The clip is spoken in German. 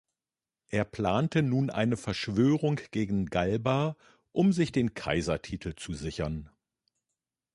Er plante nun eine Verschwörung gegen Galba, um sich den Kaisertitel zu sichern.